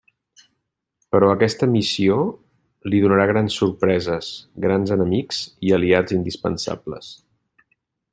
Però aquesta missió li donarà grans sorpreses, grans enemics i aliats indispensables.